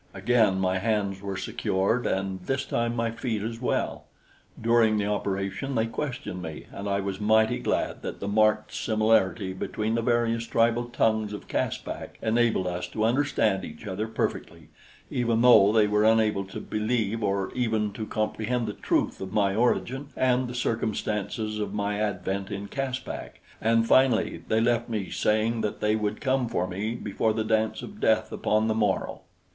Again my hands were secured, and this time my feet as well. During the operation they questioned me, and I was mighty glad that the marked similarity between the various tribal tongues of Caspak enabled us to understand each other perfectly, even though they were unable to believe or even to comprehend the truth of my origin and the circumstances of my advent in Caspak; and finally they left me saying that they would come for me before the dance of death upon the morrow.